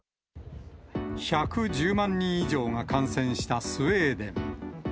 １１０万人以上が感染したスウェーデン。